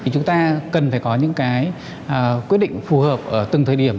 chúng ta cần phải có những quyết định phù hợp ở từng thời điểm